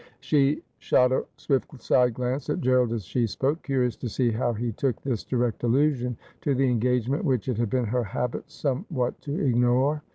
She shot a swift side glance at Gerald as she spoke, curious to see how he took this direct allusion to an engagement which it had been her habit somewhat to ignore.